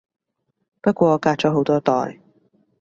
不過隔咗好多代